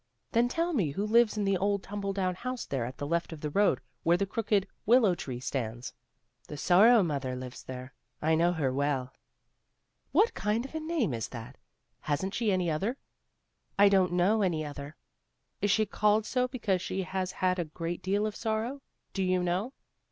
"Then tell me who lives in the old, tumble down house there at the left on the road, where the crooked willow tree stands?" "The Sorrow mother lives there. I know her well." SORROW MOTHER NO LONGER 53 "What kind of a name is that? Hasn't she any other?" "I don't know any other." "Is she called so because she has had a great deal of sorrow? Do you know?"